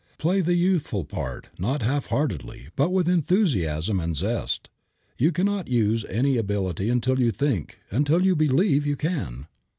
Play the youthful part, not half heartedly, but with enthusiasm and zest. You cannot use any ability until you think, until you believe, you can.